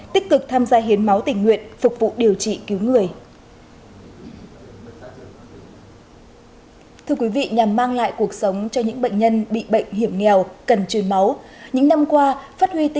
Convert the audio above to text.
tích cực tham gia hiến máu tình nguyện phục vụ điều trị cứu người